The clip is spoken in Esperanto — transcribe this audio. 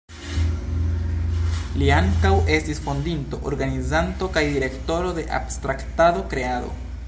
Li ankaŭ estis fondinto, organizanto kaj direktoro de Abstraktado-Kreado.